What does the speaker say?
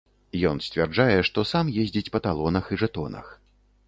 Ён сцвярджае, што сам ездзіць па талонах і жэтонах.